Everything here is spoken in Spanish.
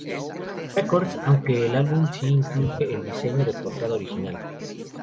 Records, aunque el álbum sí incluye el diseño de portada original.